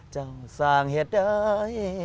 เจ้าส่างเหตุใด